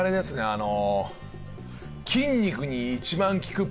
あの。